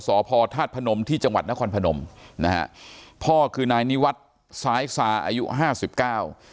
สพธาตุพนมที่จังหวัดนครพนมนะฮะพ่อคือนายนิวัฒน์ซ้ายซาอายุห้าสิบเก้า